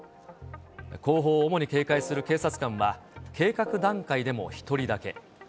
後方を主に警戒する警察官は、計画段階でも１人だけ。